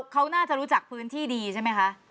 เขาน่าจะรู้จักพื้นที่ดีใช่ไหมคะ